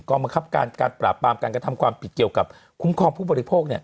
บังคับการการปราบปรามการกระทำความผิดเกี่ยวกับคุ้มครองผู้บริโภค